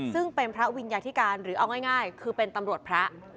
ซึ่งเป็นพระวิญญาธิการหรือเอาง่ายคือเป็นตำรวจพระ